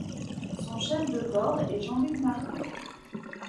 Son chef de corps est Jean-Luc Martin.